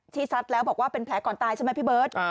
ซัดแล้วบอกว่าเป็นแผลก่อนตายใช่ไหมพี่เบิร์ต